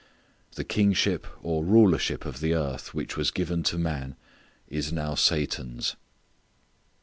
The kingship or rulership of the earth which was given to man is now Satan's.